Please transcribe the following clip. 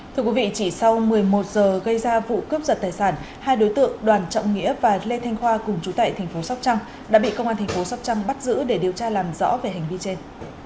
thưa quý vị chỉ sau một mươi một h gây ra vụ cướp giật tài sản hai đối tượng đoàn trọng nghĩa và lê thanh khoa cùng chú tại tp sốc trăng đã bị công an tp sốc trăng bắt giữ để điều tra làm rõ về hành vi trên